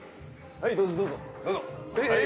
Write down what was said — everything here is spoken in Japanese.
はいどうぞどうぞえええ！？